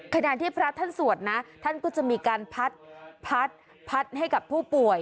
ขณะที่พระท่านสวดนะท่านก็จะมีการพัดพัดให้กับผู้ป่วย